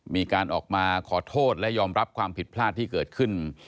มีการออกมาขอโทษและยอมรับความผิดพลาดที่เกิดขึ้น